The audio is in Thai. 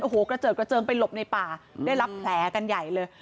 โอ้โหกระเจิดกระเจิงไปหลบในป่าได้รับแผลกันใหญ่เลย